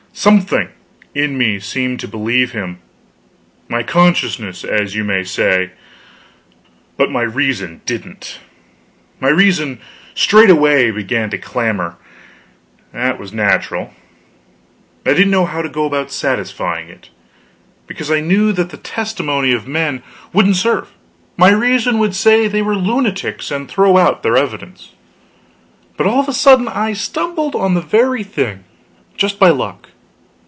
Something in me seemed to believe him my consciousness, as you may say; but my reason didn't. My reason straightway began to clamor; that was natural. I didn't know how to go about satisfying it, because I knew that the testimony of men wouldn't serve my reason would say they were lunatics, and throw out their evidence. But all of a sudden I stumbled on the very thing, just by luck.